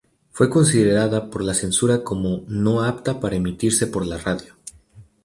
Fue considerada por la censura como no apta para emitirse por la radio.